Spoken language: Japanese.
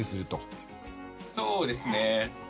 そうですね。